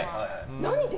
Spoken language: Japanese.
何で？